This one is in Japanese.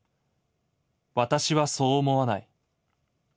私はそう思わない。